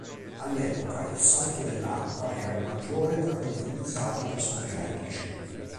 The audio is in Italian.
All'epoca il "salto" dell'acqua era il maggiore tra quelli utilizzati per scopi elettrici.